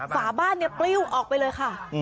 ฝาบ้านเนี่ยปลิ้วออกไปเลยค่ะ